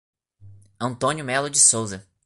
Antônio Melo de Souza